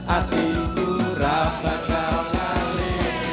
atiku rapatkan kali